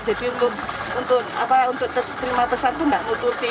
jadi untuk terima pesan itu tidak nutupi